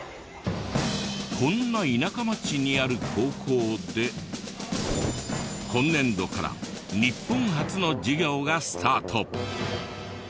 こんな田舎町にある高校で今年度から日本初の授業がスタート。